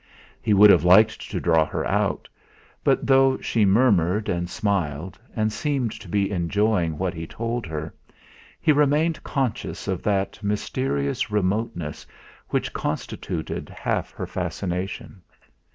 He would have liked to draw her out, but though she murmured and smiled and seemed to be enjoying what he told her, he remained conscious of that mysterious remoteness which constituted half her fascination.